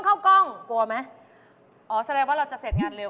อ๋อแสดงว่าเราจะเสร็จงานเร็ว